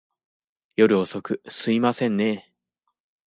夜遅く、すいませんねぇ。